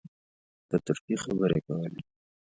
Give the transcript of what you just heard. په ترکي خبرې کولې.